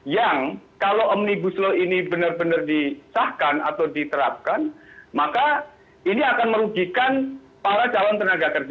yang kalau omnibus law ini benar benar disahkan atau diterapkan maka ini akan merugikan para calon tenaga kerja